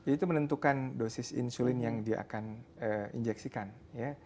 itu menentukan dosis insulin yang dia akan injeksikan ya